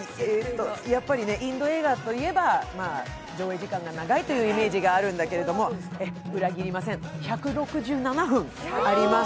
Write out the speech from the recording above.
インド映画といえば上映時間が長いというイメージがあるけど裏切りません、１６７分あります。